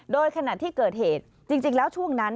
โดยขณะที่เกิดเหตุจริงแล้วช่วงนั้น